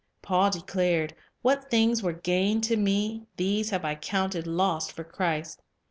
Paul declared: "What things were gain to me, these have I counted loss for satisfied Christ.